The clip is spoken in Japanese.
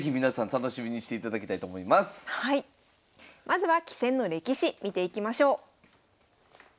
まずは棋戦の歴史見ていきましょう。